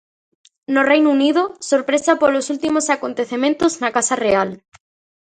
No Reino Unido, sorpresa polos últimos acontecementos na Casa Real.